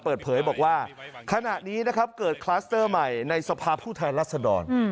เปิดเผยบอกว่าขณะนี้นะครับเกิดคลัสเตอร์ใหม่ในสภาพผู้แทนรัศดร